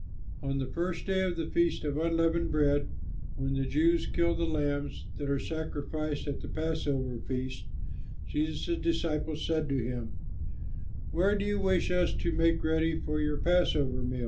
On the first day of the Feast of Unleavened Bread, when the Jews kill the lambs that are sacrificed at the Passover Feast, Jesus' disciples said to him, "Where do you wish us to make ready for your passover meal?"